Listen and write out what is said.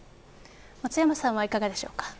松山さんは、いかがでしょうか。